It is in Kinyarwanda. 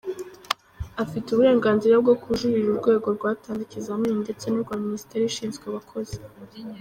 Afite uburenganzira bwo kujuririra urwego rwatanze ikizamini ndetse n’urwa minisiteri ishinzwe abakozi.